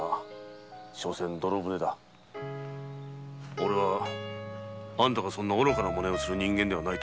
おれはあんたがそんな愚かなマネをする人間ではないと思ってる。